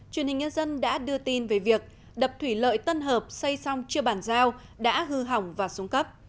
truyền hình nhân dân đã đưa tin về việc đập thủy lợi tân hợp xây xong chưa bàn giao đã hư hỏng và xuống cấp